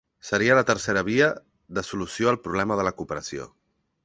Seria la tercera via de solució al problema de la cooperació.